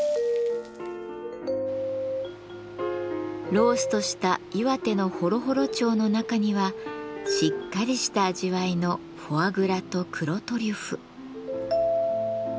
ローストした岩手のホロホロ鳥の中にはしっかりした味わいのフォアグラと黒トリュフ。